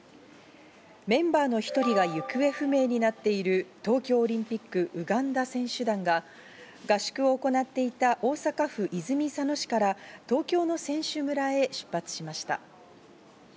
メンバーの１人が行方不明になっている東京オリンピック、ウガンダ選手団が合宿を行っていた大阪府泉佐野市から東京の選手村へ出発しました。